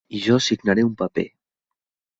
I jo signaré un paper.